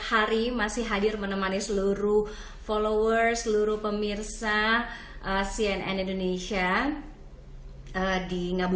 hari masih hadir menemani seluruh follower seluruh pemirsa cnn indonesia di ngabubur